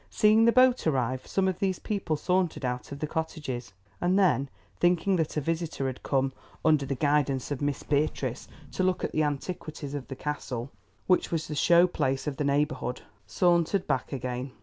Seeing the boat arrive, some of these people sauntered out of the cottages, and then, thinking that a visitor had come, under the guidance of Miss Beatrice, to look at the antiquities of the Castle, which was the show place of the neighbourhood, sauntered back again.